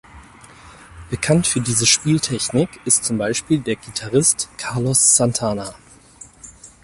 Bekannt für diese Spieltechnik ist zum Beispiel der Gitarrist Carlos Santana.